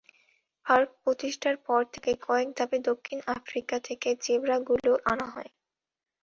Park প্রতিষ্ঠার পর থেকে কয়েক ধাপে দক্ষিণ আফ্রিকা থেকে জেব্রাগুলো আনা হয়।